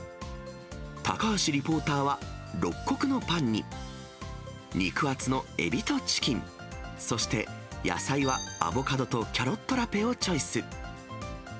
高橋リポーターは、六穀のパンに、肉厚のエビとチキン、そして野菜はアボカドとキャロットラペをチョイス。